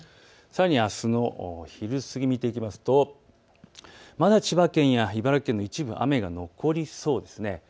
さらにあすの昼過ぎを見ていきますとまた千葉県や茨城県の一部、雨が残りそうです。